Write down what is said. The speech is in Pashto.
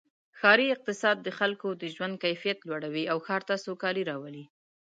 ښاري اقتصاد د خلکو د ژوند کیفیت لوړوي او ښار ته سوکالي راولي.